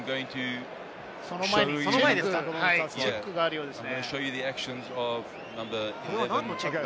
その前にチェックがあるようですね。